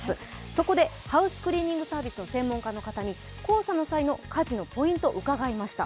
そこでハウスクリーニングサービスの専門家の方に黄砂の際の家事のポイント伺いました。